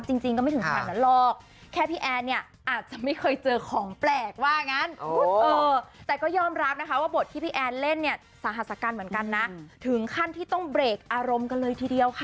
จริงก็ไม่ถึงแขนแหละหรอก